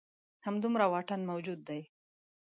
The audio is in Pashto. همدومره واټن موجود دی.